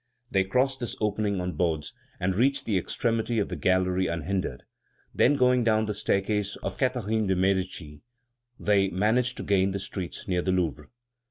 They crossed this opening on boards, and reached the extremity of the gallery unhindered; then, going down the staircase of Catharine de Medici, they managed to gain the streets near the Louvre.